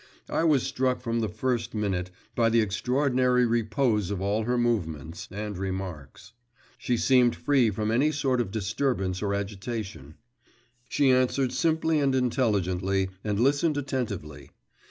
I was struck from the first minute by the extraordinary repose of all her movements and remarks. She seemed free from any sort of disturbance or agitation; she answered simply and intelligently, and listened attentively.